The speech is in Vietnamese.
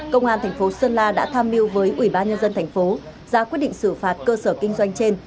công an tp sơn la đã tham mưu với ủy ban nhân dân tp ra quyết định xử phạt cơ sở kinh doanh trên